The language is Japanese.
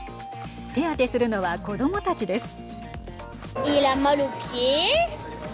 手当てするのは子どもたちです。